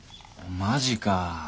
マジか。